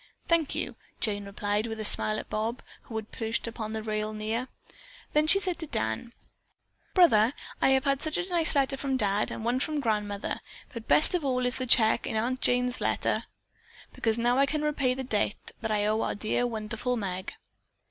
"Thank you," Jane replied with a smile at Bob, who had perched upon the rail near. Then, to Dan, she said: "Brother, I have such a nice letter from Dad and one from grandmother, but best of all is the check in Aunt Jane's letter, because now I can repay the debt that I owe our dear, wonderful Meg."